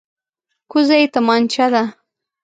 کوزه یې تمانچه ده.